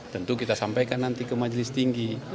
tentu kita sampaikan nanti ke majelis tinggi